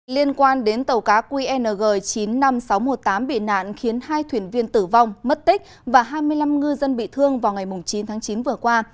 liên quan đến tàu cá qng chín mươi năm nghìn sáu trăm một mươi tám bị nạn khiến hai thuyền viên tử vong mất tích và hai mươi năm ngư dân bị thương vào ngày chín tháng chín vừa qua